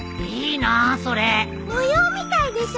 模様みたいでしょ？